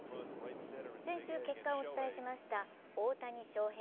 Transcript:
先週結果をお伝えしました大谷翔平